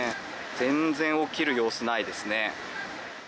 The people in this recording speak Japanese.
全然起きる様子ないですね。